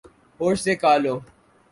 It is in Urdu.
ہوش سے کا لو